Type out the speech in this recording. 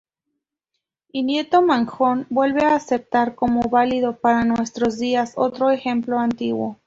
Y Nieto Manjón vuelve a aceptar como válido para nuestros días otro ejemplo antiguo.